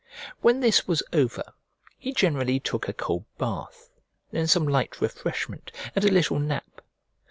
When this was over, he generally took a cold bath, then some light refreshment and a little nap.